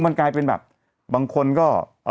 มันกลายเป็นแบบบางคนก็